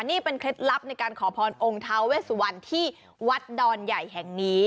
นี่เป็นเคล็ดลับในการขอพรองค์ท้าเวสวันที่วัดดอนใหญ่แห่งนี้